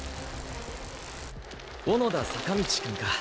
小野田坂道くんか。